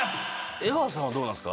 江川さんは、どうなんですか？